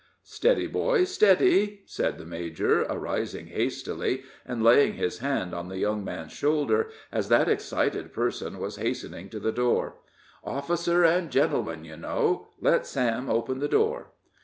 "Steady, boy, steady!" said the major, arising hastily and laying his hand on the young man's shoulder, as that excited person was hastening to the door. "'Officer and gentleman,' you know. Let Sam open the door."